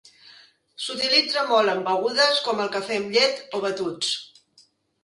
S'utilitza molt en begudes com el cafè amb llet o batuts.